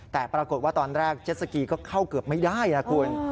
แต่ปรากฏว่าตอนแรกเจ็ดสกีก็เข้าเกือบไม่ได้นะคุณ